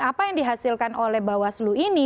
apa yang dihasilkan oleh bawaslu ini